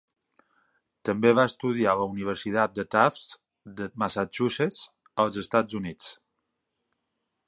També va estudiar a la Universitat Tufts de Massachusetts, als Estats Units.